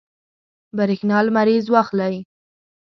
برېښنا لمریز واخلئ.